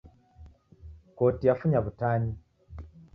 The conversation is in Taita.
Koti yafunya w'utanyi.